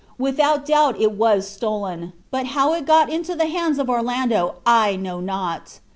Without doubt it was stolen, but how it got into the hands of Orlando I know not.